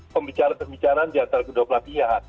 pembicaraan pembicaraan diantara kedua pelatihan